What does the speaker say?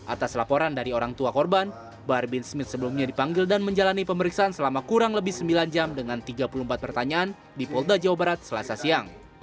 atas laporan dari orang tua korban bahar bin smith sebelumnya dipanggil dan menjalani pemeriksaan selama kurang lebih sembilan jam dengan tiga puluh empat pertanyaan di polda jawa barat selasa siang